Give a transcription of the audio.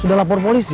sudah lapor polisi